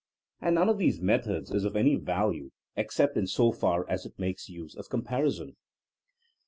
And none of these methods is of any value ex cept in so far as it makes use of comparison.